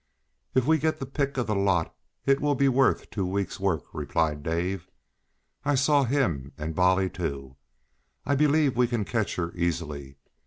"If we get the pick of the lot it will be worth two weeks' work," replied Dave. "I saw him, and Bolly, too. I believe we can catch her easily.